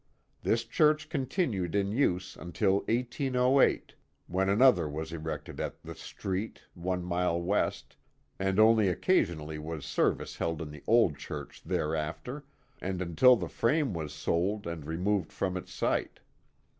This church continued in use until 1S08, when another was erected at the "Street," one mile west, and only occasionally was serviie held in the old chiircli thereafter, and until the frame was sold and removed from its site.